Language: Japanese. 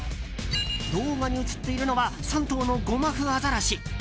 動画に映っているのは３頭のゴマフアザラシ。